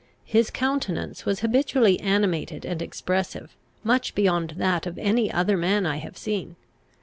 His countenance was habitually animated and expressive, much beyond that of any other man I have seen.